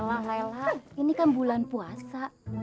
laila ini kan bulan puasa